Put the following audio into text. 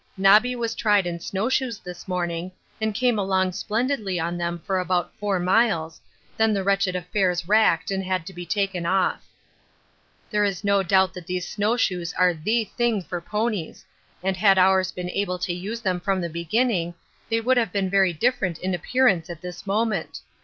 Nobby was tried in snowshoes this morning, and came along splendidly on them for about four miles, then the wretched affairs racked and had to be taken off. There is no doubt that these snowshoes are the thing for ponies, and had ours been able to use them from the beginning they would have been very different in appearance at this moment.